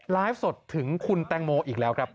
ไลฟ์สดถึงคุณแตงโมอีกแล้วครับ